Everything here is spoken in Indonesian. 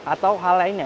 atau hal lainnya